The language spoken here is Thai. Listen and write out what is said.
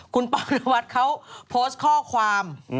คุณปอนวัดเขาโพสต์ข้อความ